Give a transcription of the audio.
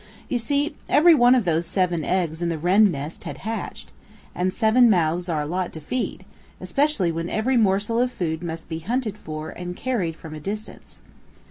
You see, everyone of those seven eggs in the Wren nest had hatched, and seven mouths are a lot to feed, especially when every morsel of food must be hunted for and carried from a distance.